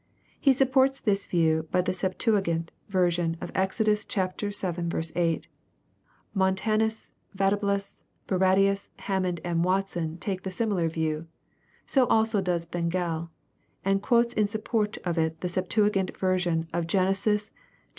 He supports this view by the eptuagint version of Exodus xiL 8. Montanus, Vatablus, Bar radius, Hammond and Watson take the same view. So also does Bengel, and quotes in support of it the Septuagint versioa of Genesis xxxii.